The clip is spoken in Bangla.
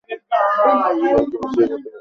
সবাইকে পিছিয়ে যেতে বলো।